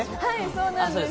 そうなんです。